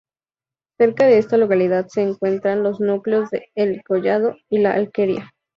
Cerca de esta localidad se encuentran los núcleos de El Collado y La Alquería.